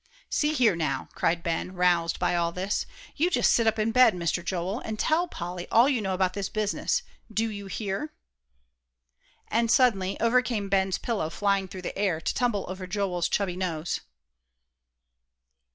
"See here, now," cried Ben, roused by all this, "you just sit up in bed, Mister Joel, and tell Polly all you know about this business. Do you hear?" And suddenly over came Ben's pillow flying through the air, to tumble over Joel's chubby nose.